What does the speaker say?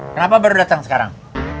kenapa baru datang sekarang